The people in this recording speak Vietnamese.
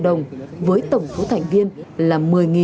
tổng cơ sở công an phường của thành viên là một mươi hai trăm năm mươi bảy